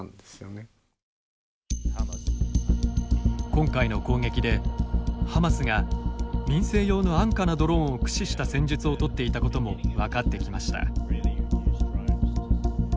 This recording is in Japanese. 今回の攻撃でハマスが民生用の安価なドローンを駆使した戦術をとっていたことも分かってきました。